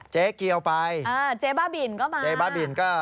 เจ๊เกียวไปเจ๊บ้าบินก็มา